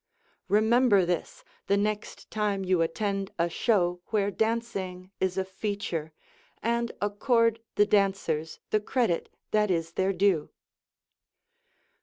Remember this, the next time you attend a show where dancing is a feature, and accord the dancers the credit that is their due.